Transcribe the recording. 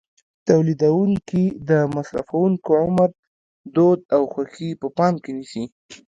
تولیدوونکي د مصرفوونکو عمر، دود او خوښې په پام کې نیسي.